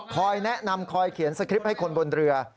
แนะนำคอยเขียนสคริปต์ให้คนบนเรือ